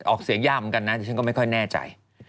ออกเสียงยากเหมือนกันนะดิฉันก็ไม่ค่อยแน่ใจ